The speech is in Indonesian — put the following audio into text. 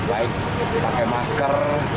baik pakai masker